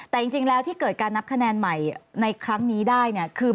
แต่จริงแล้วที่เกิดการนับคะแนนใหม่ในครั้งนี้ได้เนี่ยคือ